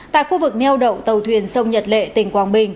tại khu vực neo đậu tàu thuyền sông nhật lệ tỉnh quảng bình